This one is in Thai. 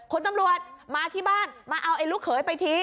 คุณตำรวจมาที่บ้านมาเอาไอ้ลูกเขยไปที